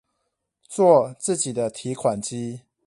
做自己的提款機